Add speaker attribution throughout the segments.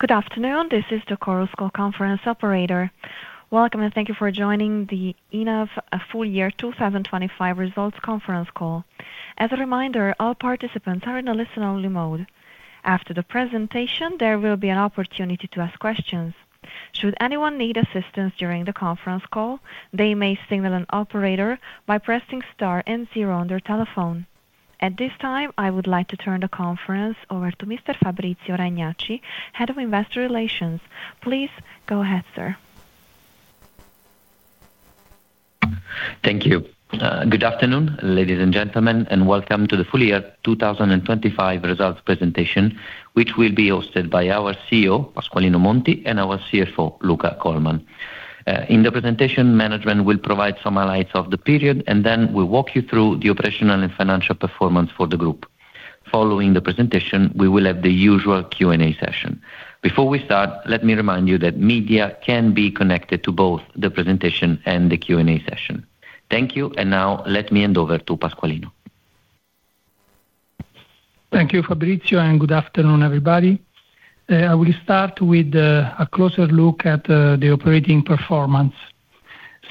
Speaker 1: Good afternoon. This is the Chorus Call conference operator. Welcome, and thank you for joining the ENAV Full-Year 2025 Results Conference Call. As a reminder, all participants are in a listen-only mode. After the presentation, there will be an opportunity to ask questions. Should anyone need assistance during the conference call, they may signal an operator by pressing star and zero on their telephone. At this time, I would like to turn the conference over to Mr. Fabrizio Ragnacci, Head of Investor Relations. Please go ahead, sir.
Speaker 2: Thank you. Good afternoon, ladies and gentlemen, and welcome to the full-year 2025 results presentation, which will be hosted by our CEO, Pasqualino Monti, and our CFO, Luca Colman. In the presentation, management will provide some highlights of the period, and then we'll walk you through the operational and financial performance for the group. Following the presentation, we will have the usual Q&A session. Before we start, let me remind you that media can be connected to both the presentation and the Q&A session. Thank you, and now let me hand over to Pasqualino.
Speaker 3: Thank you, Fabrizio, and good afternoon, everybody. We start with a closer look at the operating performance.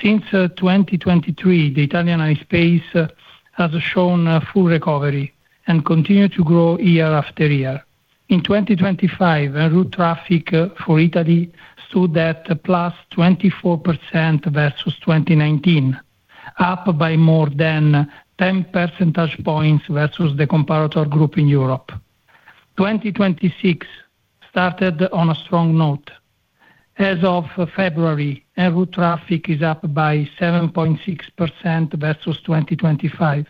Speaker 3: Since 2023, the Italian airspace has shown a full recovery and continued to grow year after year. In 2025, air route traffic for Italy stood at +24% versus 2019, up by more than 10 percentage points versus the comparator group in Europe. 2026 started on a strong note. As of February, air route traffic is up by 7.6% versus 2025.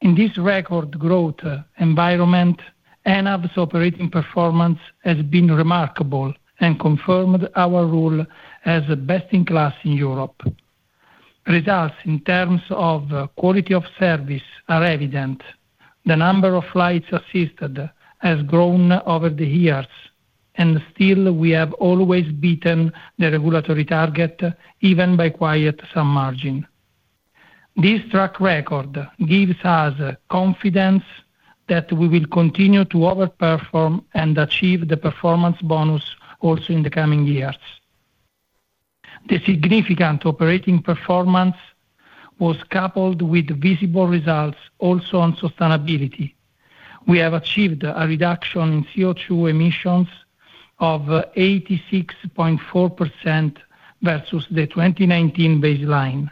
Speaker 3: In this record growth environment, ENAV's operating performance has been remarkable and confirmed our role as best in class in Europe. Results in terms of quality of service are evident. The number of flights assisted has grown over the years, and still we have always beaten the regulatory target, even by quite some margin. This track record gives us confidence that we will continue to overperform and achieve the performance bonus also in the coming years. The significant operating performance was coupled with visible results also on sustainability. We have achieved a reduction in CO2 emissions of 86.4% versus the 2019 baseline.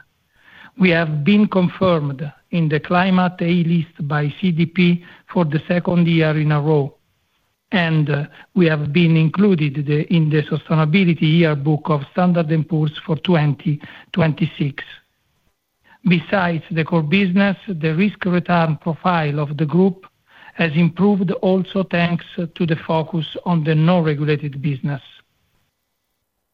Speaker 3: We have been confirmed in the Climate A List by CDP for the second year in a row, and we have been included in the Sustainability Yearbook of Standard & Poor's for 2026. Besides the core business, the risk-return profile of the group has improved also thanks to the focus on the non-regulated business.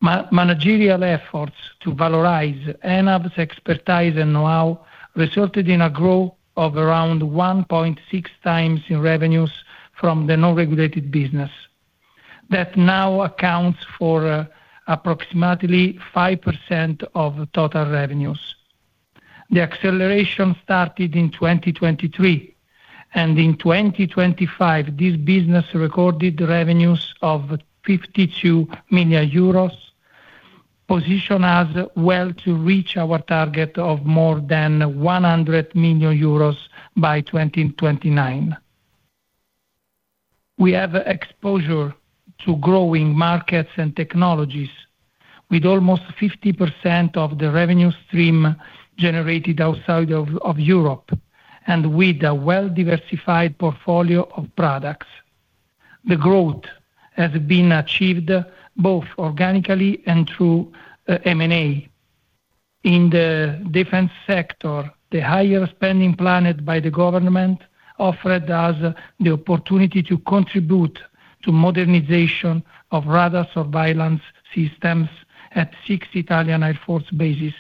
Speaker 3: Managerial efforts to valorize ENAV's expertise and know-how resulted in a growth of around 1.6 times in revenues from the non-regulated business. That now accounts for approximately 5% of total revenues. The acceleration started in 2023, and in 2025, this business recorded revenues of 52 million euros, positioning us well to reach our target of more than 100 million euros by 2029. We have exposure to growing markets and technologies with almost 50% of the revenue stream generated outside of Europe and with a well-diversified portfolio of products. The growth has been achieved both organically and through M&A. In the defense sector, the higher spending planned by the government offered us the opportunity to contribute to modernization of radar surveillance systems at six Italian Air Force bases.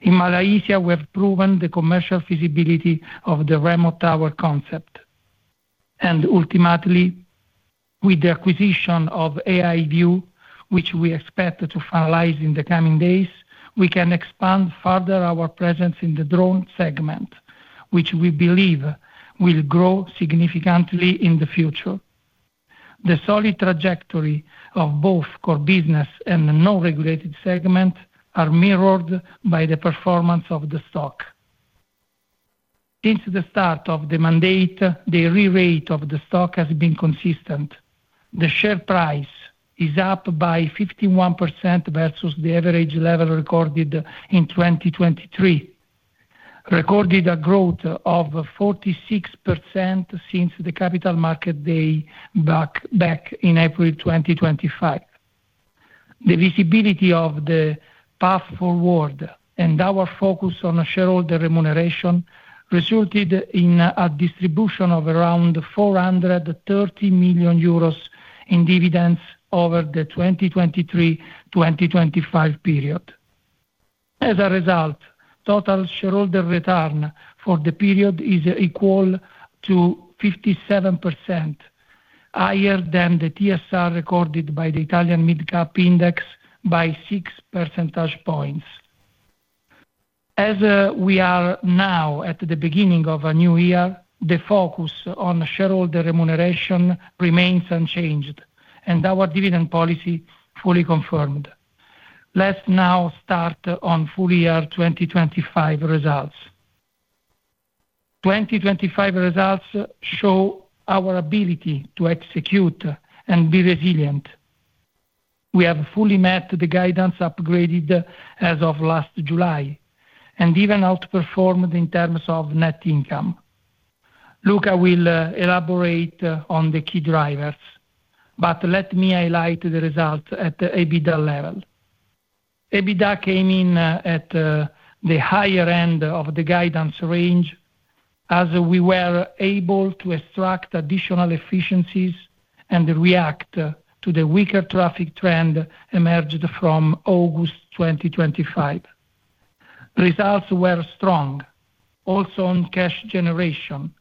Speaker 3: In Malaysia, we have proven the commercial feasibility of the Remote Tower concept. Ultimately, with the acquisition of AIView, which we expect to finalize in the coming days, we can expand further our presence in the drone segment, which we believe will grow significantly in the future. The solid trajectory of both core business and the non-regulated segment are mirrored by the performance of the stock. Since the start of the mandate, the re-rate of the stock has been consistent. The share price is up by 51% versus the average level recorded in 2023. Recorded a growth of 46% since the Capital Markets Day back in April 2025. The visibility of the path forward and our focus on shareholder remuneration resulted in a distribution of around 430 million euros in dividends over the 2023-2025 period. As a result, total shareholder return for the period is equal to 57%, higher than the TSR recorded by the Italia Mid Cap Index by 6 percentage points. As we are now at the beginning of a new year, the focus on shareholder remuneration remains unchanged and our dividend policy fully confirmed. Let's now start on full-year 2025 results. 2025 results show our ability to execute and be resilient. We have fully met the guidance upgraded as of last July and even outperformed in terms of net income. Luca will elaborate on the key drivers, but let me highlight the results at the EBITDA level. EBITDA came in at the higher end of the guidance range as we were able to extract additional efficiencies and react to the weaker traffic trend emerged from August 2025. Results were strong, also on cash generation.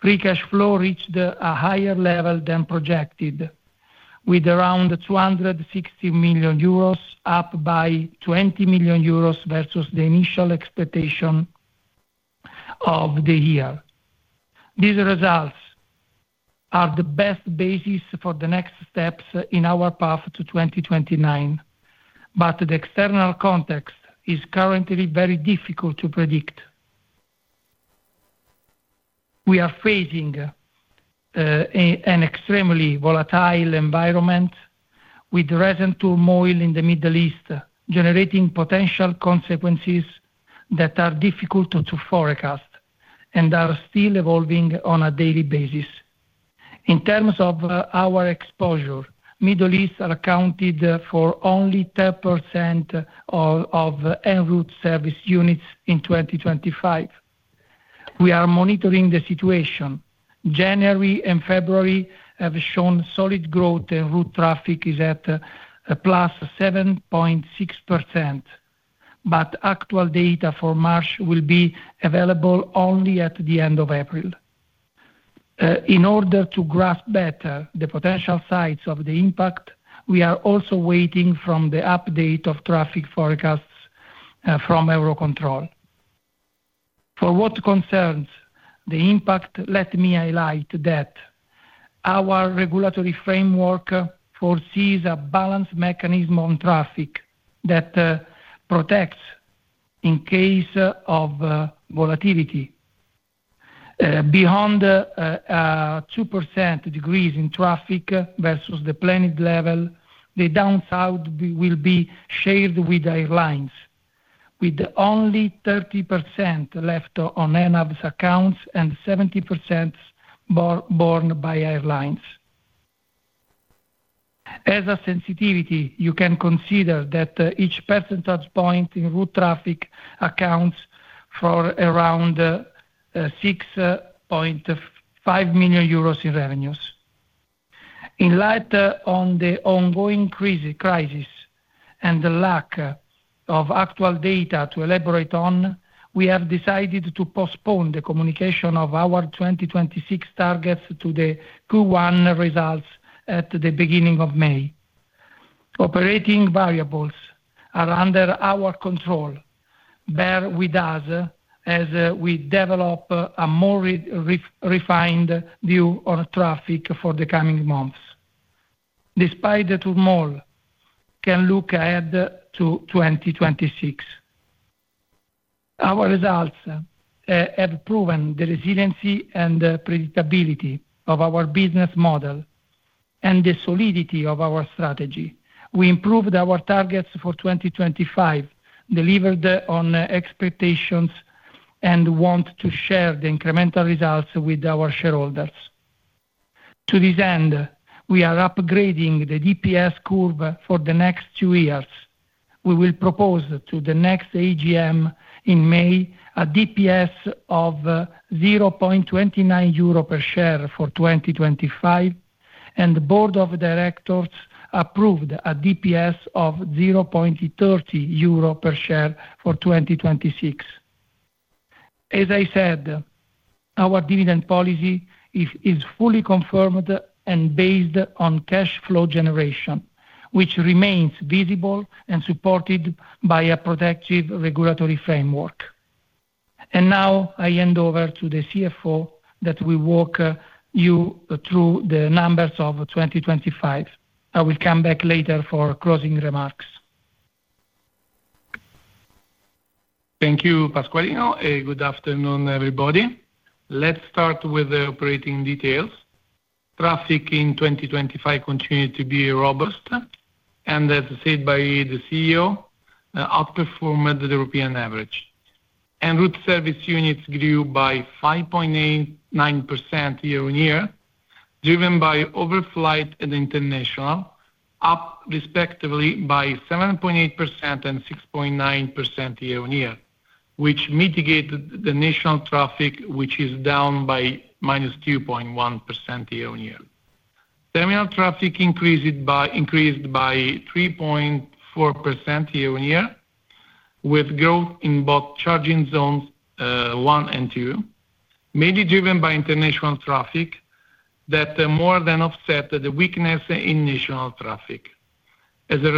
Speaker 3: Free cash flow reached a higher level than projected, with around 260 million euros up by 20 million euros versus the initial expectation of the year. These results are the best basis for the next steps in our path to 2029, but the external context is currently very difficult to predict. We are facing an extremely volatile environment with the recent turmoil in the Middle East, generating potential consequences that are difficult to forecast and are still evolving on a daily basis. In terms of our exposure, Middle East are accounted for only 10% of en-route service units in 2025. We are monitoring the situation. January and February have shown solid growth and en route traffic is at +7.6%, but actual data for March will be available only at the end of April. In order to grasp better the potential size of the impact, we are also waiting for the update of traffic forecasts from Eurocontrol. For what concerns the impact, let me highlight that our regulatory framework foresees a balanced mechanism on traffic that protects in case of volatility. Beyond a 2% decrease in traffic versus the planned level, the downside will be shared with airlines, with only 30% left on ENAV's accounts and 70% borne by airlines. As a sensitivity, you can consider that each percentage point en-route traffic accounts for around 6.5 million euros in revenues. In light of the ongoing crisis and the lack of actual data to elaborate on, we have decided to postpone the communication of our 2026 targets to the Q1 results at the beginning of May. Operating variables are under our control. Bear with us as we develop a more refined view on traffic for the coming months. Despite the turmoil, we can look ahead to 2026. Our results have proven the resiliency and predictability of our business model and the solidity of our strategy. We improved our targets for 2025, delivered on expectations, and want to share the incremental results with our shareholders. To this end, we are upgrading the DPS curve for the next two years. We will propose to the next AGM in May a DPS of 0.29 euro per share for 2025, and the Board of Directors approved a DPS of 0.30 euro per share for 2026. As I said, our dividend policy is fully confirmed and based on cash flow generation, which remains visible and supported by a protective regulatory framework. Now I hand over to the CFO that will walk you through the numbers of 2025. I will come back later for closing remarks.
Speaker 4: Thank you, Pasqualino. Good afternoon, everybody. Let's start with the operating details. Traffic in 2025 continued to be robust and as said by the CEO, outperformed the European average. En-route service units grew by 5.89% year-on-year, driven by overflight and international, up respectively by 7.8% and 6.9% year-on-year, which mitigated the national traffic, which is down by -2.1% year-on-year. Terminal traffic increased by 3.4% year-on-year, with growth in both charging zones 1 and 2. Maybe driven by international traffic that more than offset the weakness in national traffic. As a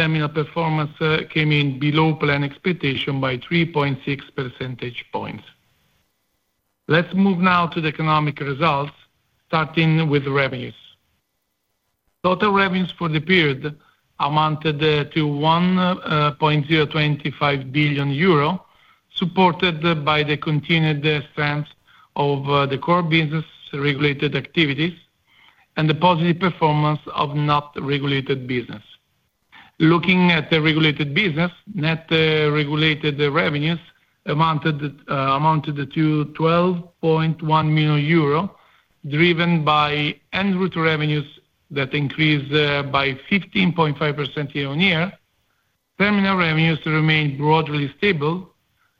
Speaker 4: result, terminal performance came in below plan expectation by 3.6 percentage points. Let's move now to the economic results, starting with revenues. Total revenues for the period amounted to 1.025 billion euro, supported by the continued strength of the core business regulated activities and the positive performance of non-regulated business. Looking at the regulated business, net regulated revenues amounted to 12.1 million euro, driven by en-route revenues that increased by 15.5% year-on-year. Terminal revenues remain broadly stable,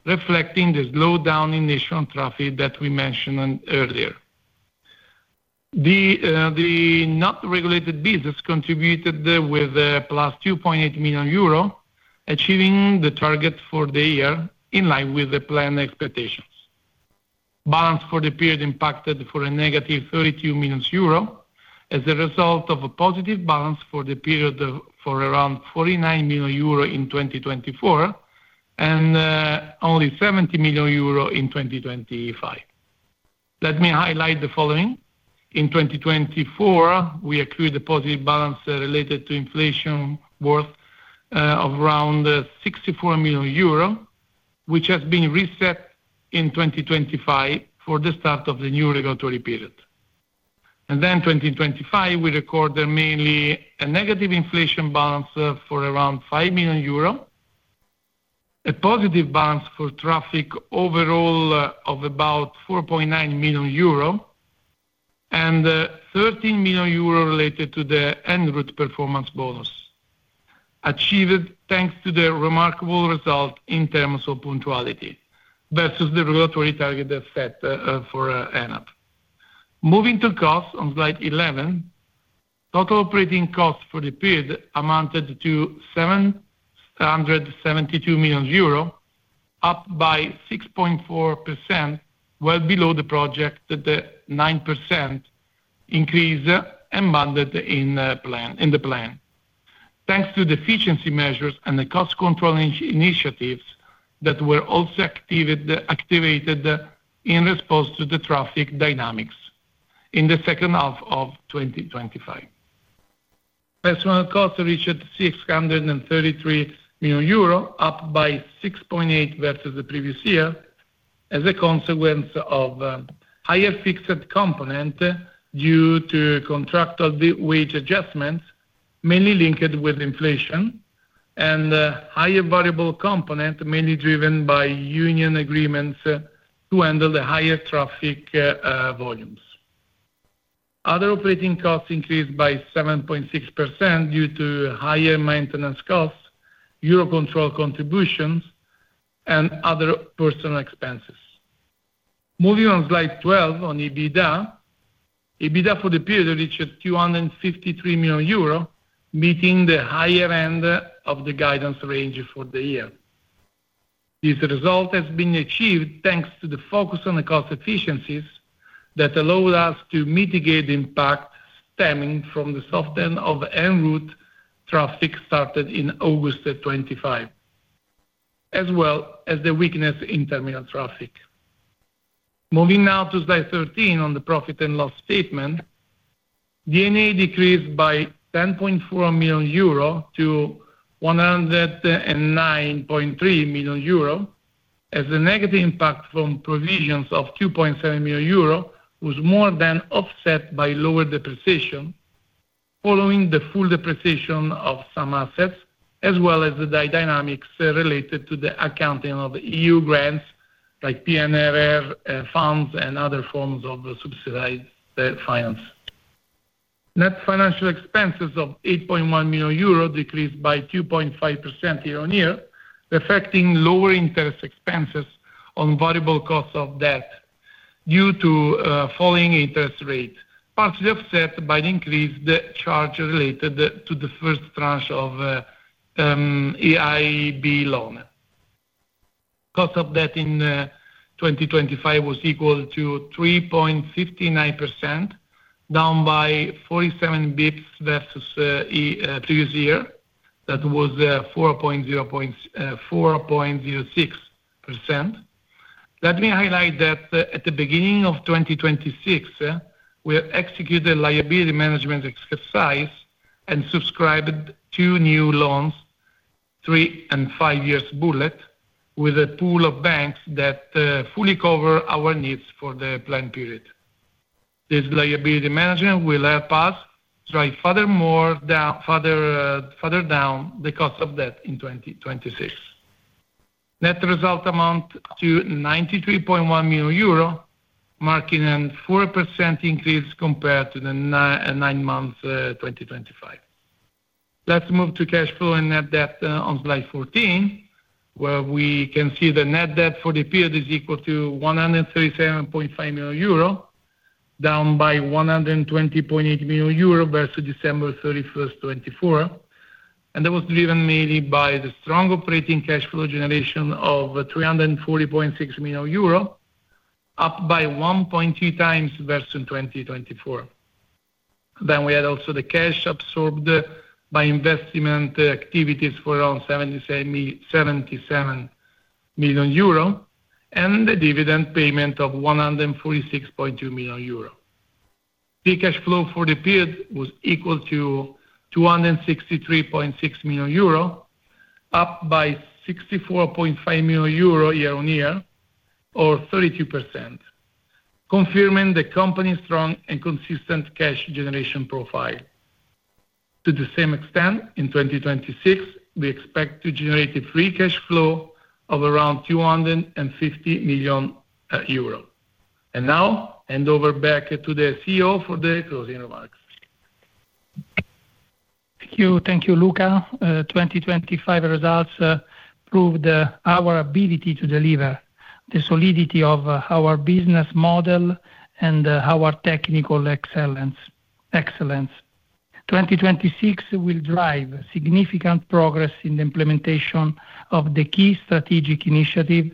Speaker 4: reflecting the slowdown in national traffic that we mentioned earlier. The non-regulated business contributed with +2.8 million euro, achieving the target for the year in line with the planned expectations. Balance for the period impacted for -32 million euro as a result of a positive balance for the period of around 49 million euro in 2024, and only 70 million euro in 2025. Let me highlight the following. In 2024, we accrued a positive balance related to inflation worth of around 64 million euro, which has been reset in 2025 for the start of the new regulatory period. In 2025, we record mainly a negative inflation balance for around 5 million euro, a positive balance for traffic overall of about 4.9 million euro, and 13 million euro related to the en-route performance bonus, achieved thanks to the remarkable result in terms of punctuality versus the regulatory target set for ENAV. Moving to costs on slide 11. Total operating costs for the period amounted to 772 million euro, up by 6.4%, well below the projected 9% increase mandated in the plan. Thanks to the efficiency measures and the cost control initiatives that were also activated in response to the traffic dynamics in the second half of 2025. Personnel costs reached 633 million euro, up by 6.8% versus the previous year as a consequence of higher fixed component due to contractual wage adjustments, mainly linked with inflation and higher variable component, mainly driven by union agreements to handle the higher traffic volumes. Other operating costs increased by 7.6% due to higher maintenance costs, Eurocontrol contributions, and other personnel expenses. Moving on to slide 12 on EBITDA. EBITDA for the period reached 253 million euro, meeting the higher end of the guidance range for the year. This result has been achieved thanks to the focus on the cost efficiencies that allow us to mitigate impact stemming from the soft end of en-route traffic started in August of 2025, as well as the weakness in terminal traffic. Moving now to slide 13 on the profit and loss statement. D&A decreased by 10.4 million euro to 109.3 million euro, as the negative impact from provisions of 2.7 million euro was more than offset by lower depreciation following the full depreciation of some assets, as well as the dynamics related to the accounting of EU grants like PNRR funds and other forms of subsidized finance. Net financial expenses of 8.1 million euro decreased by 2.5% year-on-year, reflecting lower interest expenses on variable costs of debt due to falling interest rates, partially offset by the increased charge related to the first tranche of EIB loan. Cost of debt in 2025 was equal to 3.59%, down by 47 basis points versus the previous year. That was 4.06%. Let me highlight that at the beginning of 2026, we executed liability management exercise and subscribed two new loans, three- and five-year bullet with a pool of banks that fully cover our needs for the plan period. This liability management will help us drive further down the cost of debt in 2026. Net result amounts to 93.1 million euro, marking a 4% increase compared to the nine-month 2025. Let's move to cash flow and net debt on slide 14, where we can see the net debt for the period is equal to 137.5 million euro. Down by 120.8 million euro versus December 31st, 2024, and that was driven mainly by the strong operating cash flow generation of 340.6 million euro, up 1.2x versus 2024. We had also the cash absorbed by investment activities for around 77 million euro and the dividend payment of 146.2 million euro. Free cash flow for the period was equal to 263.6 million euro, up by 64.5 million euro year-on-year or 32%, confirming the company's strong and consistent cash generation profile. To the same extent, in 2026, we expect to generate a free cash flow of around 250 million euro. Now hand over back to the CEO for the closing remarks.
Speaker 3: Thank you. Thank you, Luca. 2025 results proved our ability to deliver the solidity of our business model and our technical excellence. 2026 will drive significant progress in the implementation of the key strategic initiatives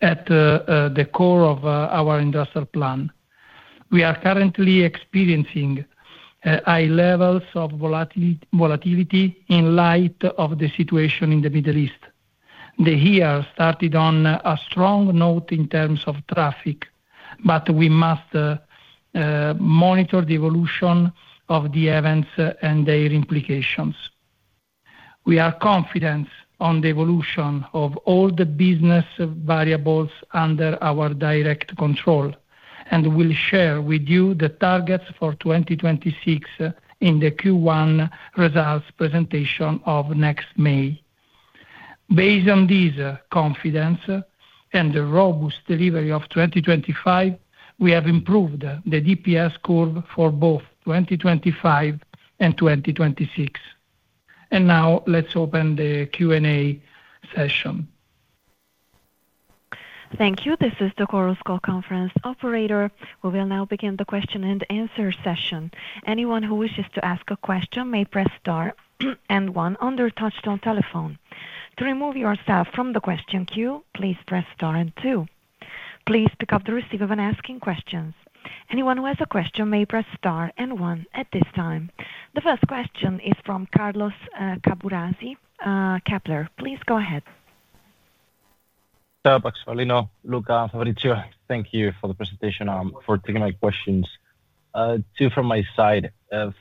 Speaker 3: at the core of our industrial plan. We are currently experiencing high levels of volatility in light of the situation in the Middle East. The year started on a strong note in terms of traffic, but we must monitor the evolution of the events and their implications. We are confident on the evolution of all the business variables under our direct control and will share with you the targets for 2026 in the Q1 results presentation of next May. Based on this confidence and the robust delivery of 2025, we have improved the DPS curve for both 2025 and 2026. Now let's open the Q&A session.
Speaker 1: Thank you. This is the Chorus Call conference operator. We will now begin the question-and-answer session. Anyone who wishes to ask a question may press star and one on their touchtone telephone. To remove yourself from the question queue, please press star and two. Please pick up the receiver when asking questions. Anyone who has a question may press star and one at this time. The first question is from Carlos Caburrasi, Kepler Cheuvreux. Please go ahead.
Speaker 5: Pasqaulino, Luca, Fabrizio, thank you for the presentation, for taking my questions. Two from my side.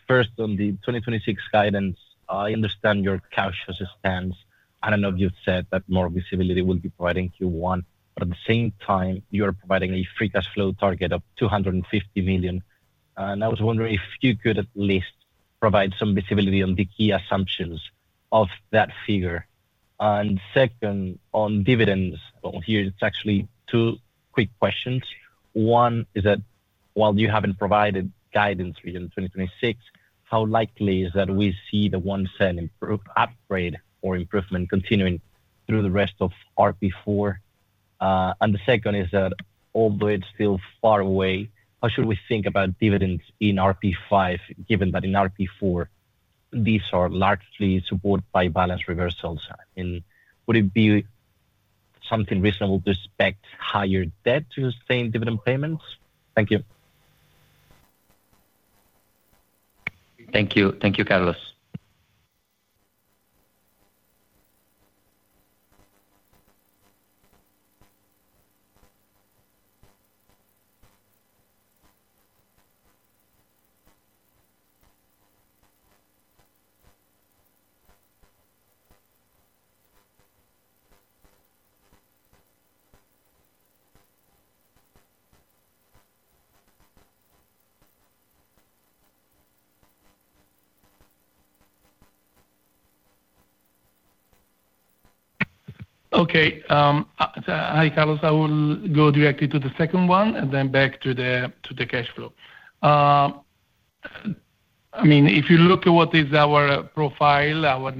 Speaker 5: First on the 2026 guidance, I understand your cautious stance. I don't know if you've said that more visibility will be provided in Q1, but at the same time you are providing a free cash flow target of 250 million. I was wondering if you could at least provide some visibility on the key assumptions of that figure. Second, on dividends, well, here it's actually two quick questions. One is that while you haven't provided guidance for year 2026, how likely is that we see the 0.01 upgrade or improvement continuing through the rest of RP4? The second is that although it's still far away, how should we think about dividends in RP5, given that in RP4, these are largely supported by balance reversals? I mean, would it be something reasonable to expect higher debt to sustain dividend payments? Thank you.
Speaker 2: Thank you. Thank you, Carlos.
Speaker 3: Okay. Hi, Carlos. I will go directly to the second one and then back to the cash flow. I mean, if you look at what is our profile, our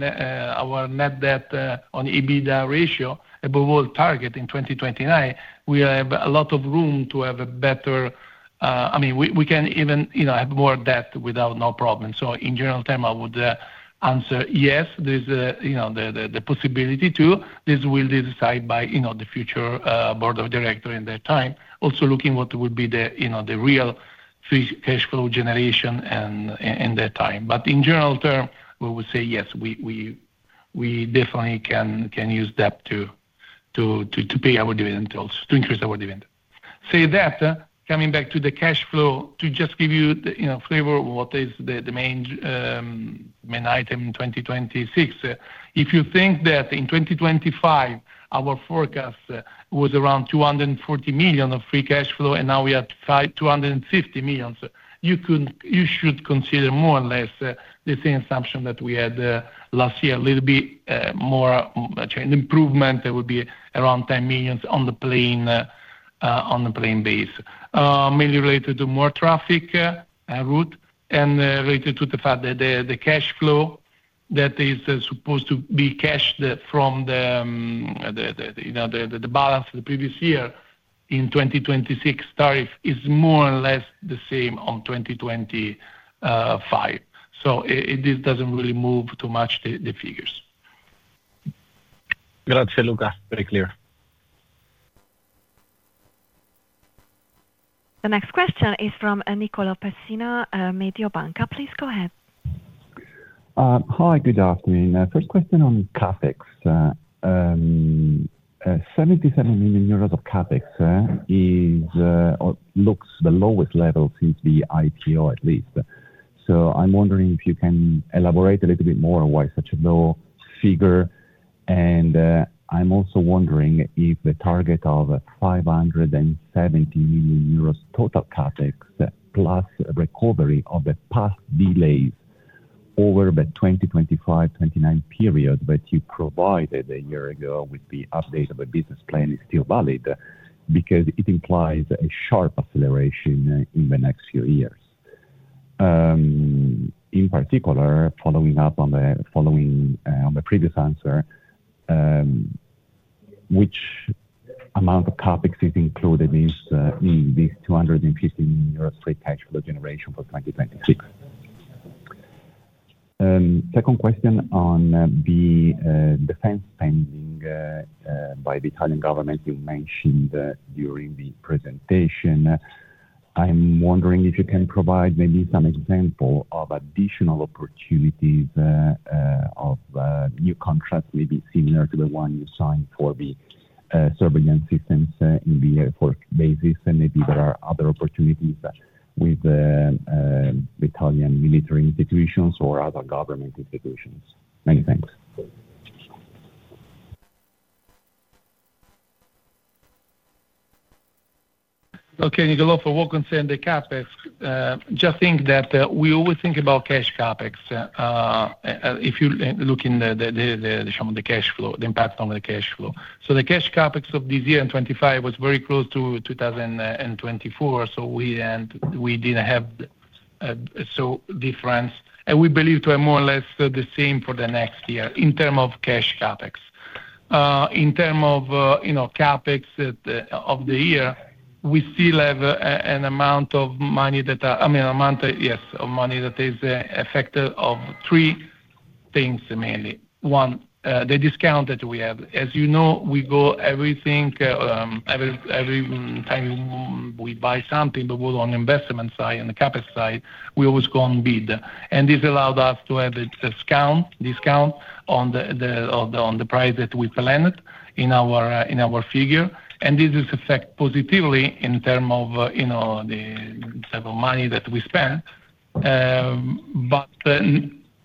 Speaker 3: net debt on EBITDA ratio above all target in 2029, we have a lot of room to have a better. I mean, we can even, you know, have more debt without no problem. In general term, I would answer yes. There's a, you know, the possibility to. This will be decided by, you know, the future board of director in that time. Also looking what would be the, you know, the real free cash flow generation in that time. In general terms, we would say yes, we definitely can use debt to pay our dividend also, to increase our dividend. That said, coming back to the cash flow, to just give you the, you know, flavor of what is the main item in 2026. If you think that in 2025 our forecast was around 240 million of free cash flow and now we have 250 million, you should consider more or less the same assumption that we had last year, a little bit more range of improvement. It would be around 10 million on the planned base. Mainly related to more traffic en route and related to the fact that the cash flow that is supposed to be cashed from, you know, the balance of the previous year in 2026 tariff is more or less the same in 2025. This doesn't really move too much the figures.
Speaker 5: Grazie, Luca. Very clear.
Speaker 1: The next question is from Nicolò Pessina, Mediobanca. Please go ahead.
Speaker 6: Hi, good afternoon. First question on CapEx. 77 million euros of CapEx is or looks the lowest level since the IPO at least. I'm wondering if you can elaborate a little bit more why such a low figure and I'm also wondering if the target of 570 million euros total CapEx plus recovery of the past delays over the 2025-2029 period that you provided a year ago with the update of the business plan is still valid, because it implies a sharp acceleration in the next few years. In particular, following on the previous answer, which amount of CapEx is included in these 250 million euros free cash flow generation for 2026? Second question on the defense spending by the Italian government you mentioned during the presentation. I'm wondering if you can provide maybe some example of additional opportunities of new contracts may be similar to the one you signed for the surveillance systems in the Air Force bases, and maybe there are other opportunities with the Italian military institutions or other government institutions. Many thanks.
Speaker 4: Okay. Nicolò, for what concern the CapEx, just think that, we always think about cash CapEx. If you look in the sum of the cash flow, the impact on the cash flow. The cash CapEx of this year in 2025 was very close to EUR 2,000 and 2024, so we didn't have so different, and we believe to have more or less the same for the next year in term of cash CapEx. In term of, you know, CapEx of the year, we still have an amount of money that, I mean, amount, yes, of money that is affected of three things mainly. One, the discount that we have. As you know, we do everything every time we buy something, but we're on investment side, on the CapEx side, we always go on bid. This allowed us to have a discount on the price that we planned in our figure, and this is affect positively in terms of, you know, the type of money that we spent.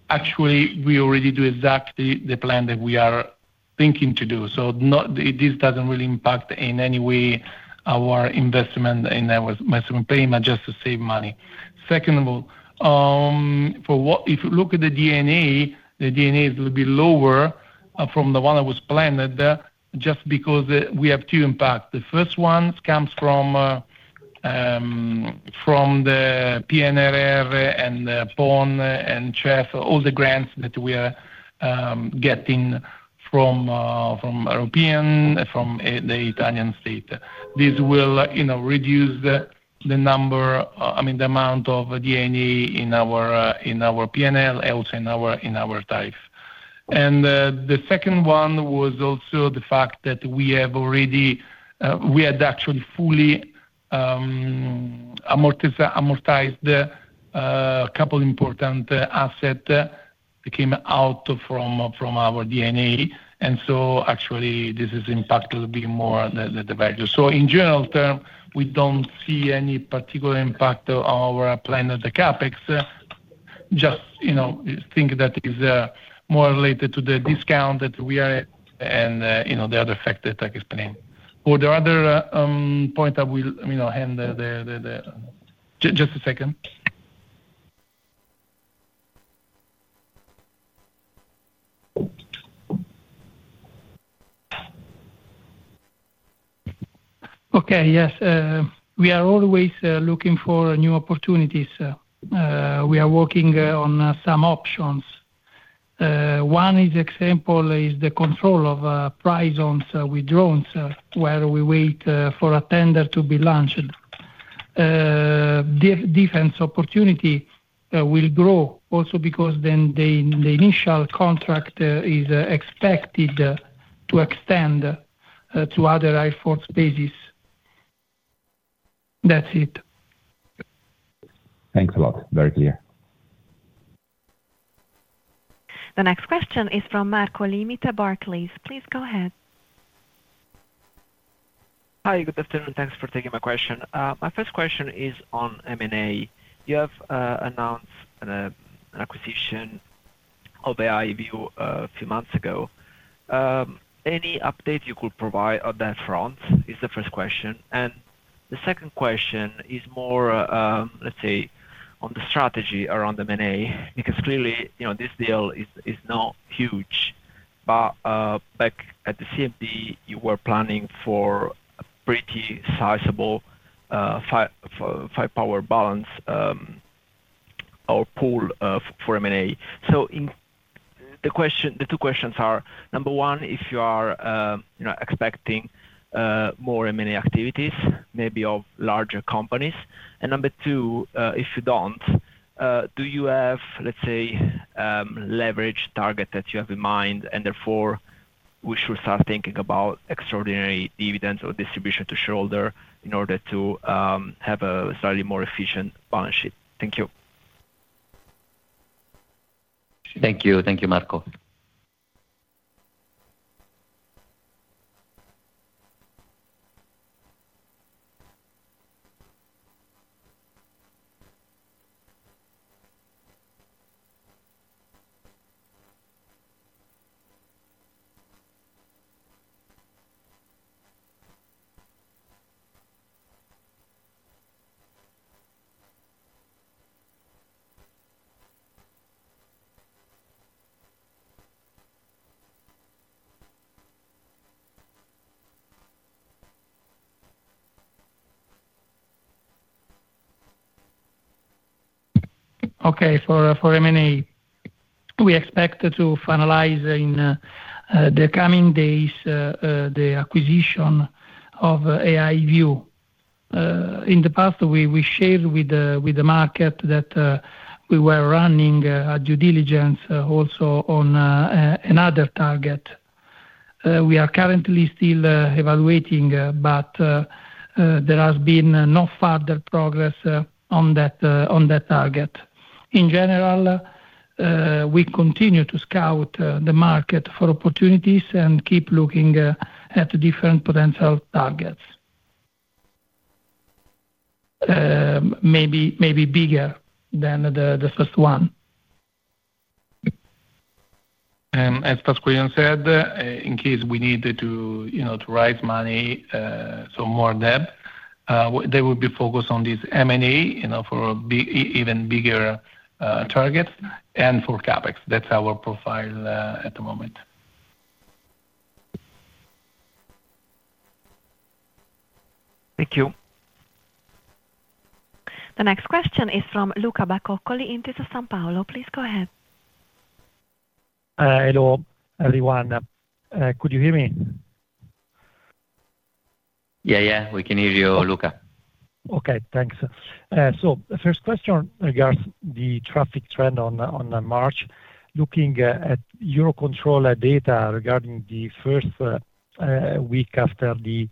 Speaker 4: Actually we already do exactly the plan that we are thinking to do. This doesn't really impact in any way our investment in our maximum payment just to save money. If you look at the D&A, the D&A will be lower from the one that was planned just because we have two impact. The first one comes from the PNRR and the PON and CEF. All the grants that we are getting from the European from the Italian state. This will, you know, reduce the amount of D&A in our P&L, also in our EBITDA. The second one was also the fact that we had actually fully amortized couple important asset that came out from our D&A. Actually this is impacted a bit more the value. In general terms, we don't see any particular impact on our plan of the CapEx. Just, you know, think that is more related to the discount that we are at and, you know, the other factor that I explained. For the other point, we are always looking for new opportunities. We are working on some options. One example is the control of prize zones with drones, where we wait for a tender to be launched. Defense opportunity will grow also because then the initial contract is expected to extend to other Air Force bases. That's it.
Speaker 6: Thanks a lot. Very clear.
Speaker 1: The next question is from Marco Limite, Barclays. Please go ahead.
Speaker 7: Hi, good afternoon. Thanks for taking my question. My first question is on M&A. You have announced an acquisition of AIView a few months ago. Any update you could provide on that front is the first question. The second question is more, let's say, on the strategy around M&A, because clearly, you know, this deal is not huge. Back at the CMD, you were planning for a pretty sizable firepower balance or pool for M&A. The two questions are, number one, if you are, you know, expecting more M&A activities, maybe of larger companies. Number two, if you don't, do you have, let's say, leverage target that you have in mind, and therefore, we should start thinking about extraordinary dividends or distribution to shareholder in order to have a slightly more efficient balance sheet? Thank you.
Speaker 2: Thank you. Thank you, Marco.
Speaker 3: Okay. For M&A, we expect to finalize in the coming days the acquisition of AIView. In the past, we shared with the market that we were running a due diligence also on another target. We are currently still evaluating, but there has been no further progress on that target. In general, we continue to scout the market for opportunities and keep looking at different potential targets, maybe bigger than the first one.
Speaker 4: As Pasqualino said, in case we need to, you know, to raise money, so more debt, they will be focused on this M&A, you know, for even bigger targets and for CapEx. That's our profile at the moment.
Speaker 7: Thank you.
Speaker 1: The next question is from Luca Bacoccoli, Intesa Sanpaolo. Please go ahead.
Speaker 8: Hello everyone. Could you hear me?
Speaker 2: Yeah, yeah, we can hear you, Luca.
Speaker 8: Okay, thanks. The first question regards the traffic trend on March. Looking at Eurocontrol data regarding the first week after the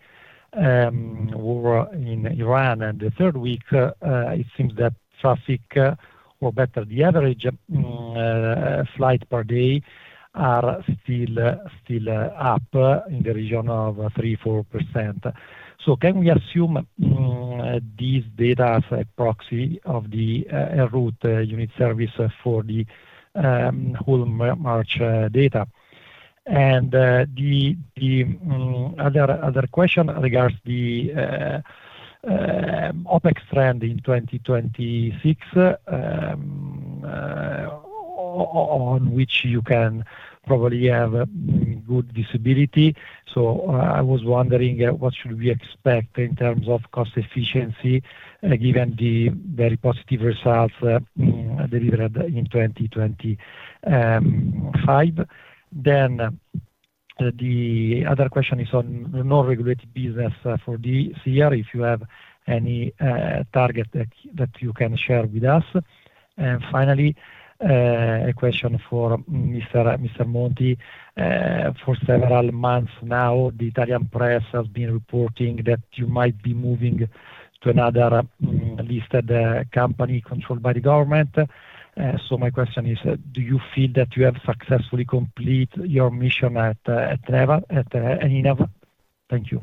Speaker 8: war in Iran and the third week, it seems that traffic or better, the average flight per day are still up in the region of 3%-4%. Can we assume these data as a proxy of the en-route service units for the whole March data? The other question regards the OpEx trend in 2026, on which you can probably have good visibility. I was wondering what should we expect in terms of cost efficiency, given the very positive results delivered in 2025. The other question is on the non-regulated business, for this year, if you have any target that you can share with us. Finally, a question for Mr. Monti. For several months now, the Italian press has been reporting that you might be moving to another listed company controlled by the government. My question is, do you feel that you have successfully completed your mission at ENAV? Thank you.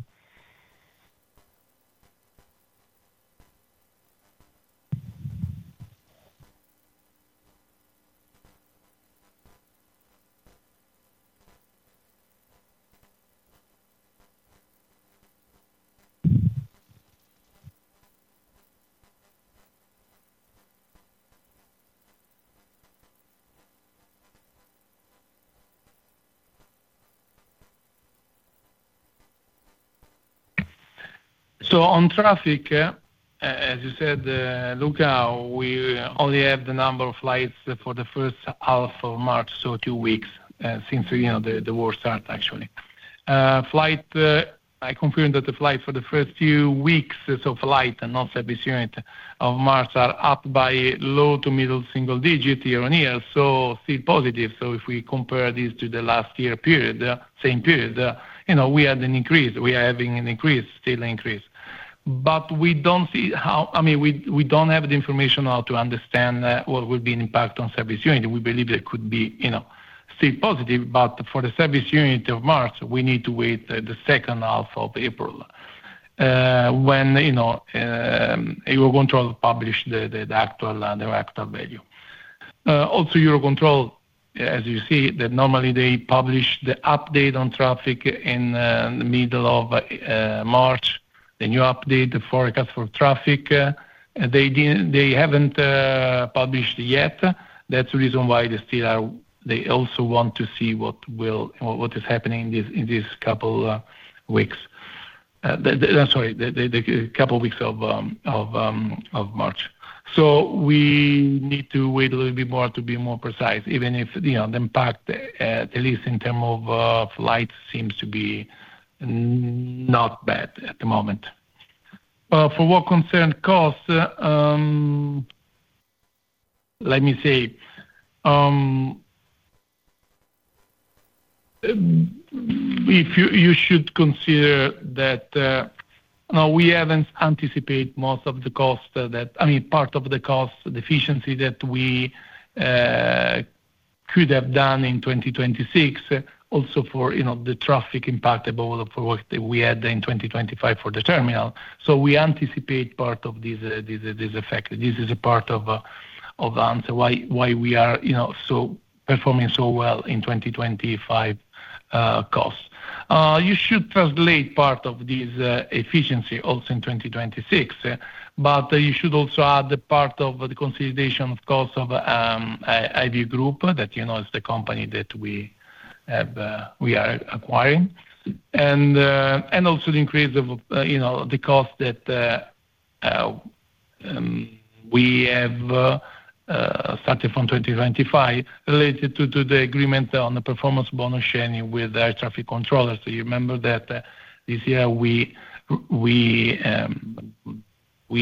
Speaker 3: On traffic, as you said, Luca, we only have the number of flights for the first half of March, so two weeks, since you know the war start actually. I confirmed that the flights for the first few weeks, so flight, not service units of March are up by low- to middle-single-digit year-on-year, so still positive. If we compare this to the last year period, the same period, you know, we had an increase. We are having an increase. But we don't see how, I mean, we don't have the information now to understand what will be an impact on service units. We believe it could be still positive, but for the service unit of March, we need to wait the second half of April, when Eurocontrol publish the actual value. Also Eurocontrol, as you see that normally they publish the update on traffic in the middle of March. The new update, the forecast for traffic, they haven't published yet. That's the reason why they still are. They also want to see what is happening in this, in these couple weeks. The couple weeks of March.
Speaker 4: We need to wait a little bit more to be more precise, even if, you know, the impact at least in terms of flights seems to be not bad at the moment. For what concerns costs, let me see. You should consider that, you know, we haven't anticipated most of the costs that, I mean, part of the cost efficiencies that we could have done in 2026, also for, you know, the traffic impact above what we had in 2025 for the terminal. We anticipated part of this effect. This is part of why we are, you know, performing so well in 2025 costs.
Speaker 3: You should translate part of this efficiency also in 2026, but you should also add the part of the consolidation of cost of AIView Group that, you know, is the company that we are acquiring. Also the increase of, you know, the cost that we have starting from 2025 related to the agreement on the performance bonus sharing with the air traffic controller. You remember that this year we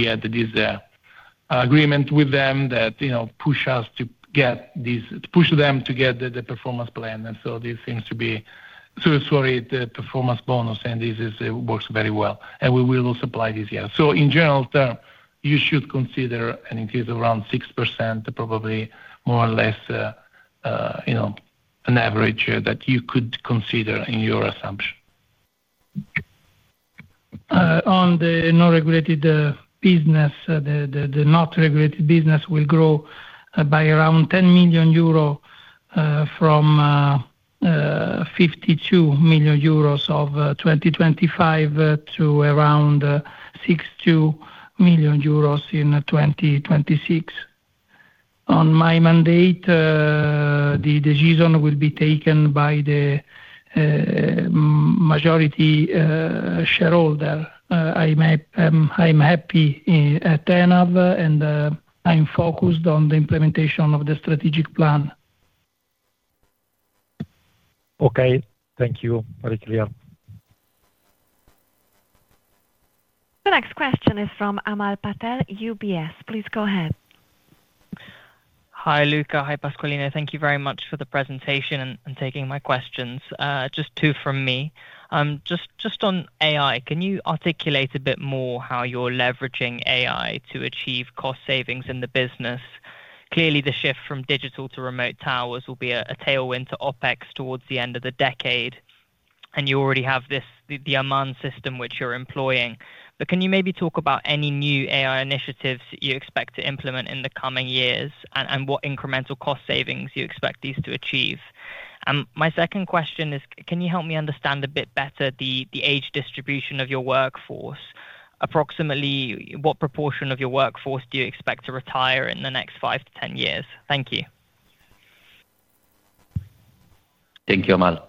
Speaker 3: had this agreement with them that, you know, push them to get the performance plan. The performance bonus and this is, it works very well. We will also apply this year. In general terms, you should consider an increase around 6%, probably more or less, you know, an average that you could consider in your assumption.
Speaker 4: On the non-regulated business, the not regulated business will grow by around 10 million euro from 52 million euros of 2025 to around 62 million euros in 2026. On my mandate, the decision will be taken by the majority shareholder. I'm happy at ENAV, and I'm focused on the implementation of the strategic plan.
Speaker 8: Okay. Thank you. Very clear.
Speaker 1: The next question is from Amal Patel, UBS. Please go ahead.
Speaker 9: Hi, Luca. Hi, Pasqualino. Thank you very much for the presentation and taking my questions. Just two from me. Just on AI, can you articulate a bit more how you're leveraging AI to achieve cost savings in the business? Clearly, the shift from Digital to Remote Towers will be a tailwind to OpEx towards the end of the decade. You already have the AMAN system which you're employing. Can you maybe talk about any new AI initiatives you expect to implement in the coming years and what incremental cost savings you expect these to achieve? My second question is, can you help me understand a bit better the age distribution of your workforce? Approximately what proportion of your workforce do you expect to retire in the next five to 10 years? Thank you.
Speaker 2: Thank you, Amal.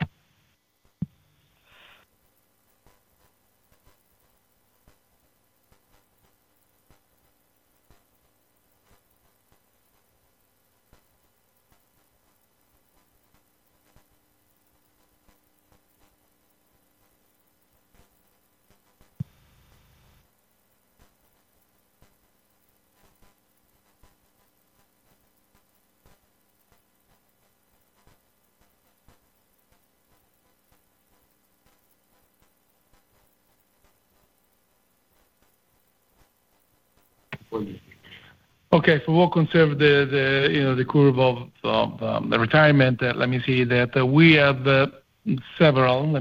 Speaker 3: Okay. We'll conserve the, you know, the curve of the retirement. Let me see that we have several,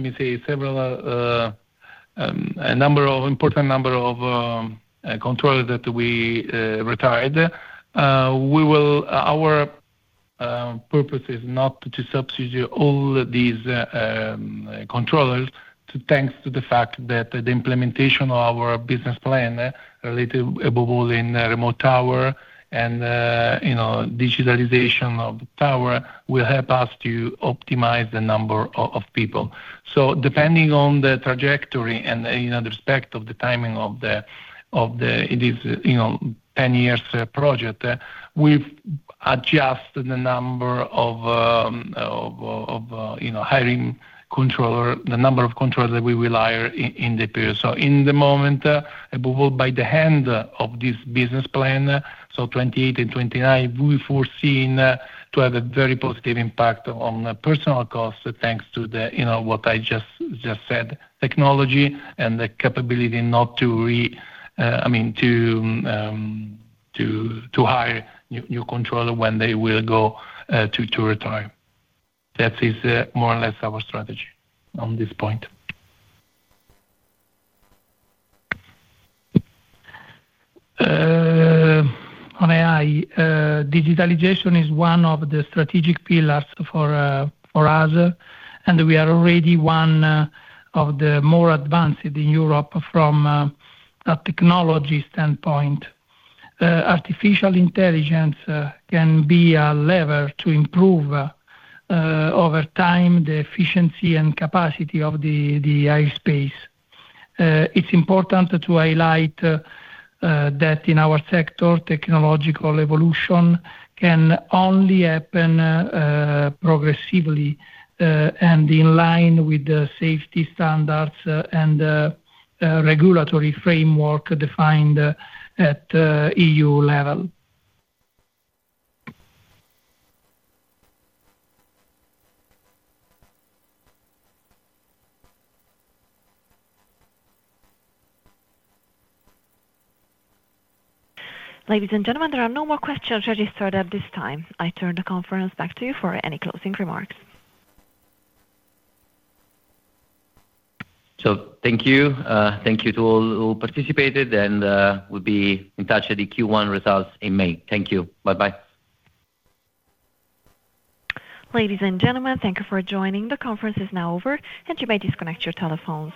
Speaker 3: a number of important controllers that we retired. Our purpose is not to substitute all these controllers, so thanks to the fact that the implementation of our business plan related above all in Remote Tower and, you know, digitalization of the tower will help us to optimize the number of people. Depending on the trajectory and, you know, the respect of the timing of the, of the, this, you know, ten years project, we've adjusted the number of hiring controller, the number of controllers that we will hire in the period. In the moment, above all by the end of this business plan, 2028 and 2029, we've foreseen to have a very positive impact on personnel costs thanks to the, you know, what I just said. Technology and the capability not to hire new controller when they will go to retire. That is more or less our strategy on this point.
Speaker 4: On AI, digitalization is one of the strategic pillars for us, and we are already one of the more advanced in Europe from a technology standpoint. Artificial intelligence can be a lever to improve over time the efficiency and capacity of the airspace. It's important to highlight that in our sector, technological evolution can only happen progressively and in line with the safety standards and regulatory framework defined at EU level.
Speaker 1: Ladies and gentlemen, there are no more questions registered at this time. I turn the conference back to you for any closing remarks.
Speaker 2: Thank you. Thank you to all who participated and, we'll be in touch at the Q1 results in May. Thank you. Bye-bye.
Speaker 1: Ladies and gentlemen, thank you for joining. The conference is now over, and you may disconnect your telephones.